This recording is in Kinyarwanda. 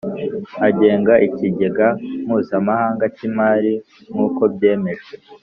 agenga Ikigega Mpuzamahanga cy Imari nk uko byemejwe